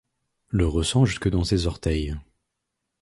le ressent jusque dans ses orteils.